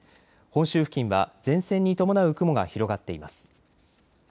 本州付近は前線に伴う雲が広がっています。